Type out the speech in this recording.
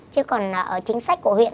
chứ còn ở chính sách của huyện